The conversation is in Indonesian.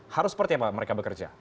harus seperti apa mereka bekerja